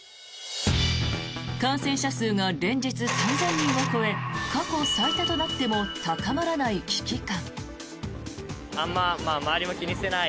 感染者数が連日３０００人を超え過去最多となっても高まらない危機感。